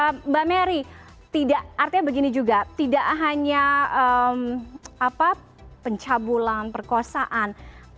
mbak mary artinya begini juga tidak hanya pencabulan perkosaan